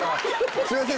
すいません